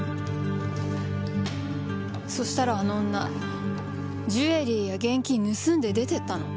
そしたらあの女ジュエリーや現金盗んで出てったの。